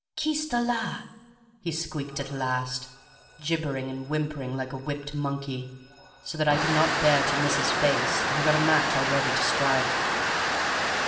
"'Chi sta la?' he squeaked at last, gibbering and whimpering like a whipped monkey, so that I could not bear to miss his face, and got a match all ready to strike.